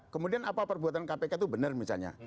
kemudian apa perbuatan kpk itu benar misalnya